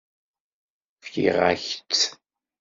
Fkiɣ-ak-tt.